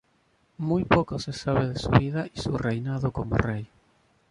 Muy poco se sabe de su vida y su reinado como rey.